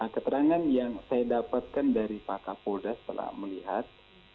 keterangan yang saya dapatkan dari pak kapolda setelah melihat